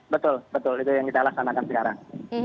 betul betul itu yang kita laksanakan sekarang